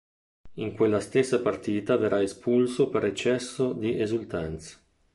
In quella stessa partita verrà espulso per eccesso di esultanza.